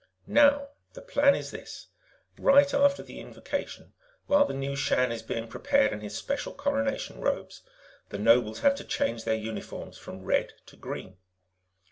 "Now, the plan is this: Right after the Invocation, while the new Shan is being prepared in his special Coronation Robes, the Nobles have to change their uniforms from red to green.